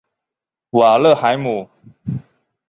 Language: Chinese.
瓦勒海姆。